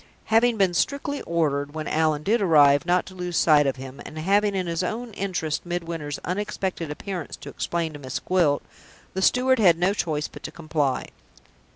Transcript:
Having been strictly ordered, when Allan did arrive, not to lose sight of him, and having, in his own interests, Midwinter's unexpected appearance to explain to Miss Gwilt, the steward had no choice but to comply.